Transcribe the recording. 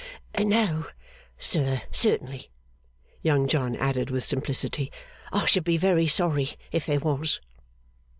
'No, sir, certainly,' Young John added with simplicity, 'I should be very sorry if there was.